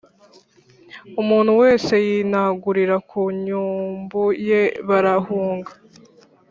umuntu wese yinagurira ku nyumbu ye barahunga.